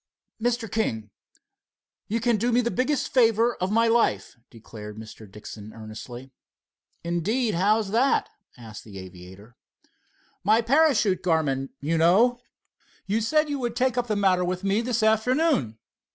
"Mr. King, you can do me the biggest favor of my life," declared Mr. Dixon earnestly. "Indeed—how is that?" asked the aviator. "My parachute garment, you know. You said you would take up the matter with me this afternoon."